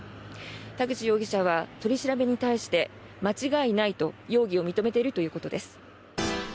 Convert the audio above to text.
田口容疑者は取り調べに対して間違いないと、容疑を認めているということです。